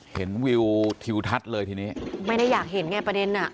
วิวทิวทัศน์เลยทีนี้ไม่ได้อยากเห็นไงประเด็นอ่ะ